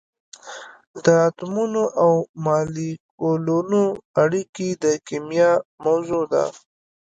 د اتمونو او مالیکولونو اړیکې د کېمیا موضوع ده.